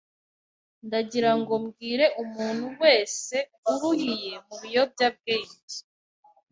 Ndagirango mbwire umuntu wese uruhiye mu biyobyabwenge,